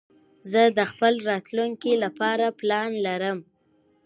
زه د خپل راتلونکي لپاره پلان لرم.